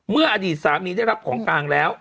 อดีตสามีได้รับของกลางแล้ว